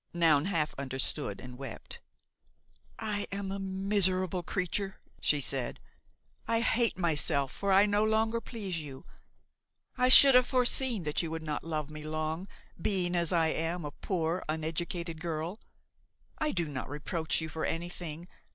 Noun half understood and wept. "I am a miserable creature," she said; "I hate myself, for I no longer please you. I should have foreseen that you would not love me long, being, as I am, a poor, uneducated girl. I do not reproach you for anything.